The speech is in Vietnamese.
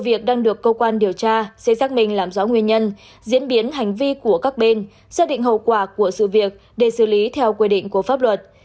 vụ việc đang được cơ quan điều tra sẽ xác minh làm rõ nguyên nhân diễn biến hành vi của các bên xác định hậu quả của sự việc để xử lý theo quy định của pháp luật